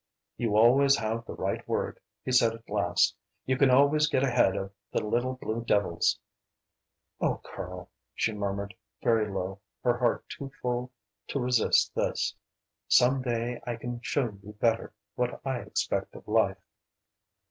"You always have the right word," he said at last. "You can always get ahead of the little blue devils." "Oh, Karl," she murmured, very low, her heart too full to resist this "some day I can show you better what I expect of life."